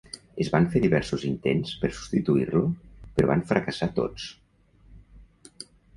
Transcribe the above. Es van fer diversos intents per substituir-lo, però van fracassar tots.